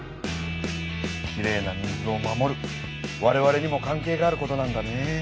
われわれにも関係があることなんだね。